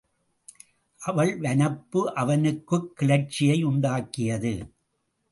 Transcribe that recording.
அவள் வனப்பு அவனுக்குக் கிளர்ச்சியை உண்டாக்கியது.